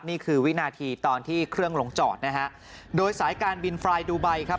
นี่คือวินาทีตอนที่เครื่องลงจอดนะฮะโดยสายการบินไฟล์ดูไบครับ